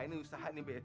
ini usaha nih be